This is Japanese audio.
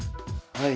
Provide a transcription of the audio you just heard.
はい。